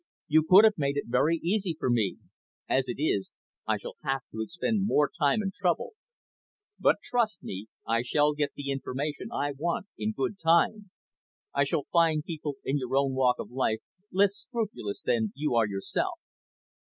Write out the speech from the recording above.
"You could have made it very easy for me; as it is, I shall have to expend more time and trouble. But trust me, I shall get the information I want in good time. I shall find people in your own walk of life less scrupulous than you are yourself."